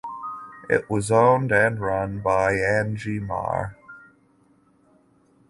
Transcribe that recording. It was owned and run by Angie Mar.